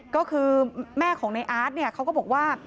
ก็คือแม่ของนายอาร์ทเขาก็บอกว่า